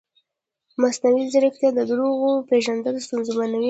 مصنوعي ځیرکتیا د دروغو پېژندل ستونزمنوي.